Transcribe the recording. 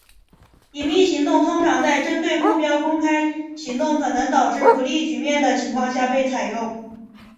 隐蔽行动通常在针对目标公开行动可能导致不利局面的情况下被采用。